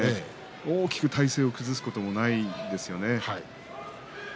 大きく体勢を崩すこともないんですね。